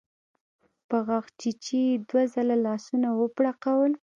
په غاښچيچي يې دوه ځله لاسونه وپړکول.